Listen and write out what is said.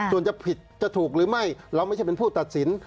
ส่วนจะผิดจะถูกหรือไม่เราไม่ใช่เป็นผู้ตัดสิน